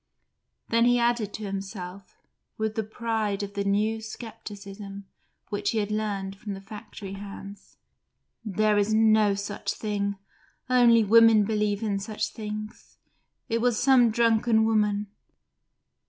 Then he added to himself, with the pride of the new scepticism he had learnt from the factory hands: "There is no such thing; only women believe in such things. It was some drunken woman."